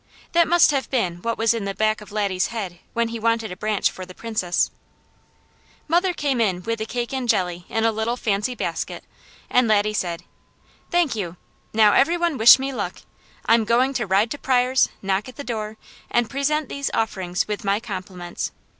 That must have been what was in the back of Laddie's head when he wanted a branch for the Princess. Mother came in with the cake and jelly in a little fancy basket, and Laddie said: "Thank you! Now every one wish me luck! I'm going to ride to Pryors', knock at the door, and present these offerings with my compliments.